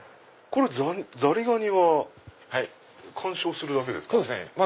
ザリガニは観賞するだけですか？